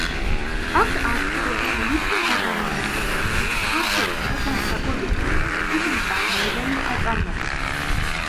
აქ არსებობენ ლითონგადამამუშავებელი, საფეიქრო და საკვები პროდუქტების მწარმოებელი საწარმოები.